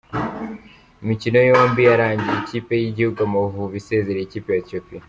Imikino yombi yarangiye ikipe y’igihugu Amavubi isezereye ikipe ya Ethiopia.